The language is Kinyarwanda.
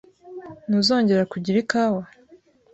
Ntuzongera kugira ikawa?